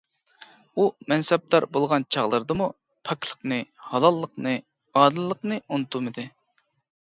ئۇ مەنسەپدار بولغان چاغلىرىدىمۇ پاكلىقنى، ھالاللىقنى، ئادىللىقنى ئۇنتۇمىدى.